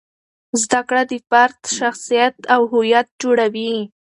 زده کړه د فرد شخصیت او هویت جوړوي.